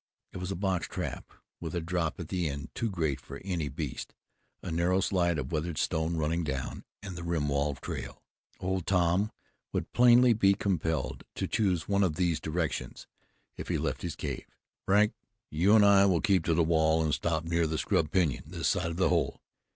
It was a box trap, with a drop at the end, too great for any beast, a narrow slide of weathered stone running down, and the rim wall trail. Old Tom would plainly be compelled to choose one of these directions if he left his cave. "Frank, you and I will keep to the wall and stop near that scrub pinyon, this side of the hole.